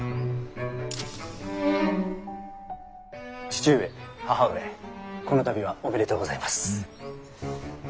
父上義母上この度はおめでとうございます。